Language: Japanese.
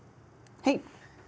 はい。